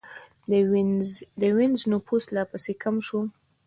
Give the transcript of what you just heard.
د وینز نفوس لا پسې کم شو